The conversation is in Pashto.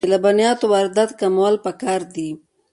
د لبنیاتو واردات کمول پکار دي